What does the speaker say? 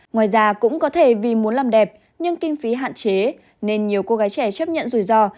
ngoài ra cũng có thể vì muốn làm đẹp nhưng kinh phí hạn chế nên nhiều cô gái trẻ chấp nhận rủi ro